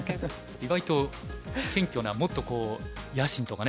意外と謙虚なもっとこう野心とかね